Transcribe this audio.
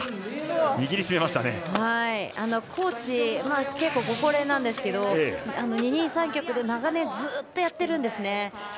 コーチ結構ご高齢なんですけど二人三脚で長年ずっとやってるんですね。